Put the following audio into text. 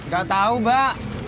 gak tahu mbak